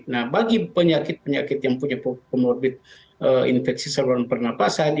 nah bagi penyakit penyakit yang punya comorbid infeksi saluran pernafasan